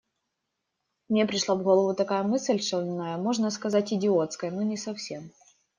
Мне пришла в голову такая мысль шальная, можно сказать, идиотская, но не совсем.